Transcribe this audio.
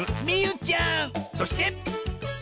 そして！